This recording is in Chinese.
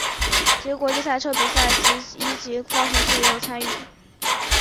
几个国际赛车比赛及一级方程式也都有参与。